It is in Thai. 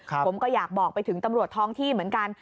ผมก็อยากบอกไปถึงตำรวจท้องที่เหมือนกัน